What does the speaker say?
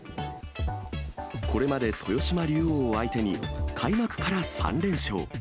これまで豊島竜王を相手に開幕から３連勝。